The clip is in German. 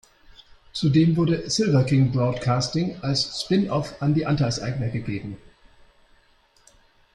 Zudem wurde "Silver King Broadcasting" als Spin-off an die Anteilseigner gegeben.